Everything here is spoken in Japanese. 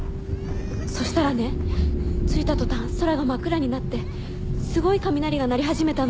そしたらね着いた途端空が真っ暗になってすごい雷が鳴り始めたの。